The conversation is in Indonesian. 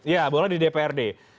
ya bolanya di dprd